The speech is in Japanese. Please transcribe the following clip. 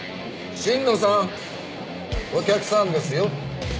新野さんお客さんですよ。